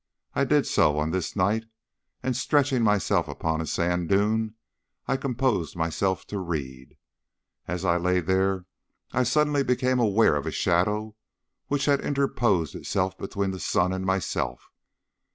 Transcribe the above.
I did so on this night, and stretching myself upon a sand dune I composed myself to read. As I lay there I suddenly became aware of a shadow which interposed itself between the sun and myself.